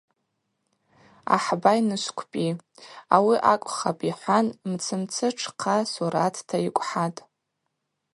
Ахӏба йнышв квпӏи – ауи акӏвхапӏ – йхӏван мцы-мцы тшхъа суратта йкӏвхӏатӏ.